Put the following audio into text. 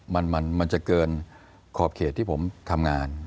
มันมันจะเกินขอบเขตที่ผมทำงาน